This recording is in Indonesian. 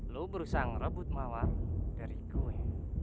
lo berusaha nge rebut mawar dari gue